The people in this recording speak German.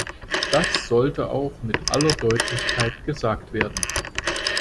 Das sollte auch mit aller Deutlichkeit gesagt werden.